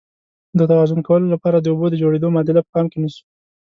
د توازن کولو لپاره د اوبو د جوړیدو معادله په پام کې نیسو.